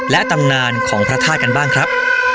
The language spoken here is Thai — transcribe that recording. และตำนานของพระธาตุกันบ้างครับ